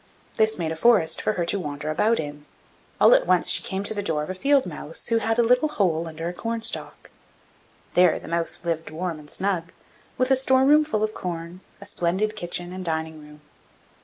This made a forest for her to wander about in. All at once she came across the door of a field mouse, who had a little hole under a corn stalk. There the mouse lived warm and snug, with a store room full of corn, a splendid kitchen and dining room.